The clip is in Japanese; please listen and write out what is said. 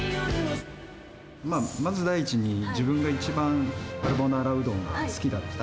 まず第一に、自分が一番カルボナーラうどんが好きだった。